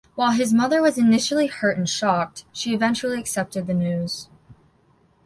While his mother was initially hurt and shocked, she eventually accepted the news.